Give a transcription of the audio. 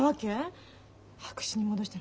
白紙に戻したらすぐに？